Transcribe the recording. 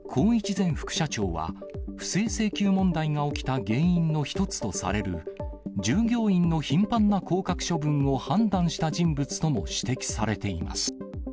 前副社長は、不正請求問題が起きた原因の一つとされる、従業員の頻繁な降格処分を判断した人物とも指摘されています。